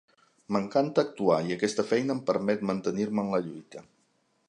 M'encanta actuar i aquesta feina em permet mantenir-me en la lluita.